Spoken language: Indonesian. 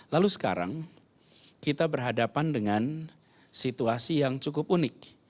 lalu sekarang kita berhadapan dengan situasi yang cukup unik